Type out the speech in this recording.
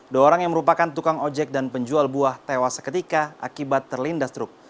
dua orang yang merupakan tukang ojek dan penjual buah tewas seketika akibat terlindas truk